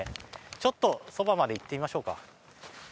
ちょっとそばまで行ってみましょうか。